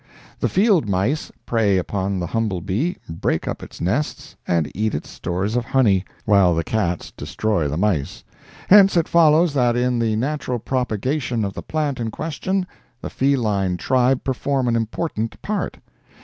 The field mice prey upon the humble bee, break up its nests, and eat its stores of honey, while the cats destroy the mice; hence it follows that in the natural propagation of the plant in question, the feline tribe perform an important part.